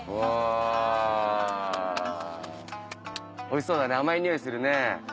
おいしそうだね甘い匂いするね。